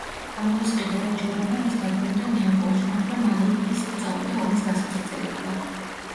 გამოისყიდა რა ჯოვანამ, ის დაბრუნდა ნეაპოლში, მაგრამ მალე იგი ისევ წავიდა ომის გასაგრძელებლად.